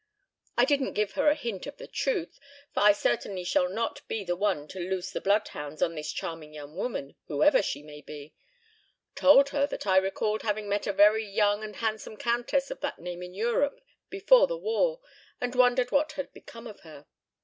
I didn't give her a hint of the truth, for I certainly shall not be the one to loose the bloodhounds on this charming young woman, whoever she may be. Told her that I recalled having met a very young and handsome countess of that name in Europe before the war and wondered what had become of her. ..